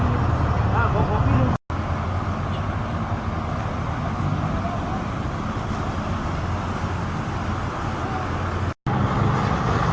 ที่ประตูนุษย์